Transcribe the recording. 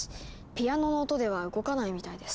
ピアノの音では動かないみたいです。